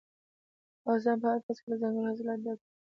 افغانستان په هر فصل کې له دځنګل حاصلاتو ډک دی.